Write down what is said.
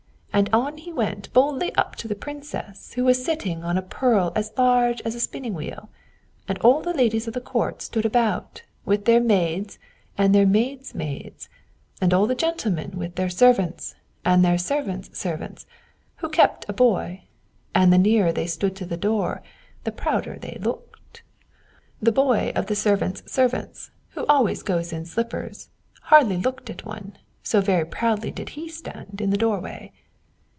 "And on he went boldly up to the Princess, who was sitting on a pearl as large as a spinning wheel. All the ladies of the court stood about, with their maids and their maids' maids, and all the gentlemen with their servants and their servants' servants, who kept a boy; and the nearer they stood to the door, the prouder they looked. The boy of the servants' servants, who always goes in slippers, hardly looked at one, so very proudly did he stand in the doorway."